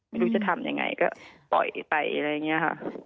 ไม่รู้จะทำยังไงก็ปล่อยไปอะไรอย่างนี้ค่ะ